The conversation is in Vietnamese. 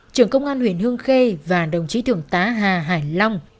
trưởng công an huyện hương khê và đồng chí thượng tá hà hải long